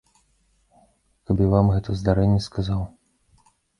Каб і вам гэта здарэнне сказаў!